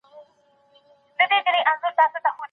په خلع کي خاوند له ميرمني څخه څه اخلي؟